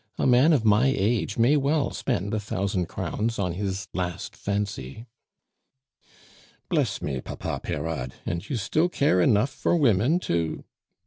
A man of my age may well spend a thousand crowns on his last fancy." "Bless me, Papa Peyrade! and you still care enough for women to